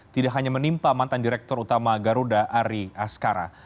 tidak hanya menimpa mantan direktur utama garuda ari askara